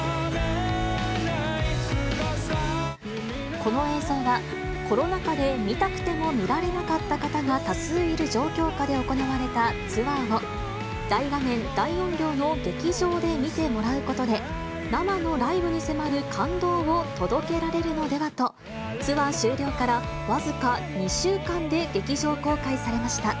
この映像は、コロナ禍で見たくても見られなかった方が多数いる状況下で行われたツアーを、大画面、大音量の劇場で見てもらうことで、生のライブに迫る感動を届けられるのではと、ツアー終了から僅か２週間で劇場公開されました。